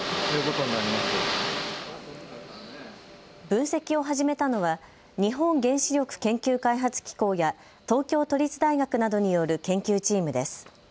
分析を始めたのは日本原子力研究開発機構や東京都立大学などによる研究チームです。